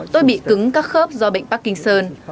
tôi bị cứng các khớp do bệnh parkinson